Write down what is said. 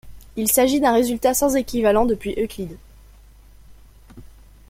Il s'agit d'un résultat sans équivalent depuis Euclide.